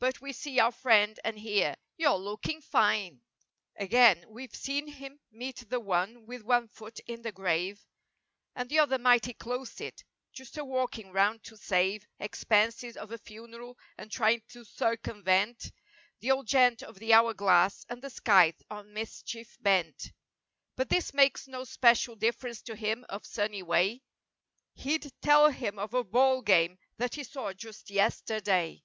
But we see our friend and hear— "You're looking fineV^ Again, we've seen him meet the one with one foot in the grave And the other mighty close it—just a walking round to save Expenses of a funeral and trying to circumvent The old gent of the hour glass and the scythe, on mischief bent— But this makes no special difference to him of sunny way He'd tell him of a ball game that he saw just yester day.